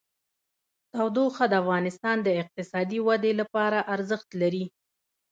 تودوخه د افغانستان د اقتصادي ودې لپاره ارزښت لري.